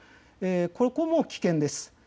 ここも危険です。